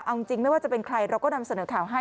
เอาจริงไม่ว่าจะเป็นใครเราก็นำเสนอข่าวให้